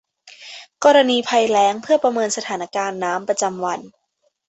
กรณีภัยแล้งเพื่อประเมินสถานการณ์น้ำประจำวัน